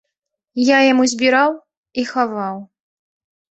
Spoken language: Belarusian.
Я яму збіраў і хаваў.